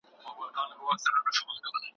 ولي د مړینې خبر سمدستي اعلان نه سو؟